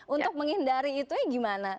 untuk menghindari itu ya gimana